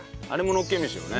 のっけ飯よね。